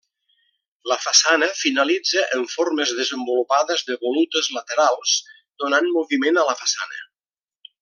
La façana finalitza en formes desenvolupades de volutes laterals donant moviment a la façana.